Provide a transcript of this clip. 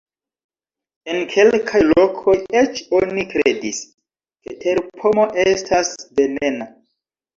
En kelkaj lokoj eĉ oni kredis, ke terpomo estas venena.